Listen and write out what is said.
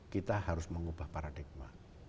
kita harus mengubah paradigma